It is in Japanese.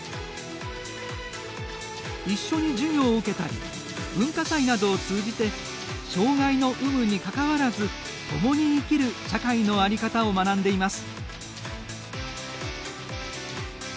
一緒に授業を受けたり文化祭などを通じて障がいの有無に関わらず共に生きる社会の在り方を学んでいます。